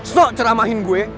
sok ceramahin gue